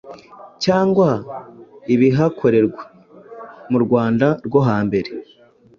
cyangwa ibihakorerwa. Mu Rwanda rwo hambere